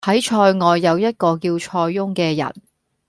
喺塞外有一個叫塞翁嘅人